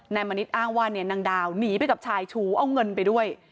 มณิษฐ์อ้างว่านางดาวหนีไปกับชายชูเอาเงินไปด้วย